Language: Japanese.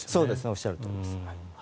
おっしゃるとおりです。